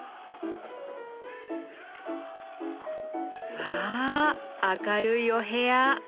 わあ明るいお部屋。